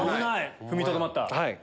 踏みとどまった。